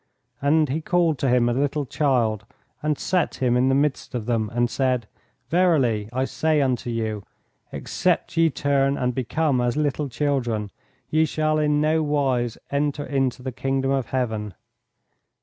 And He called to Him a little child, and set him in the midst of them, and said, Verily I say unto you, Except ye turn and become as little children, ye shall in nowise enter into the Kingdom of Heaven.